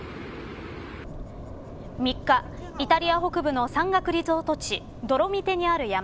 ３日、イタリア北部の山岳リゾート地ドロミテにある山。